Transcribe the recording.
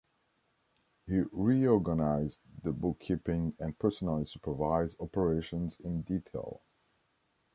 He reorganized the bookkeeping and personally supervised operations in detail.